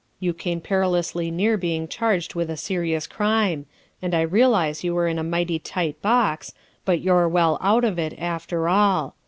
You came perilously near being charged with a serious crime, and I realize you were in a mighty tight box, but you're well out of it, after all.